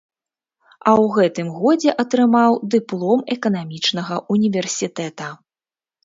А ў гэтым годзе атрымаў дыплом эканамічнага ўніверсітэта.